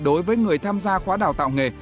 đối với người tham gia khóa đào tạo nghề